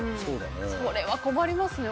それは困りますね。